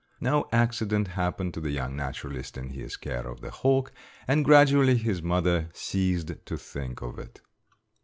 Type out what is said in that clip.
No accident happened to the young naturalist in his care of the hawk, and gradually his mother ceased to think of it.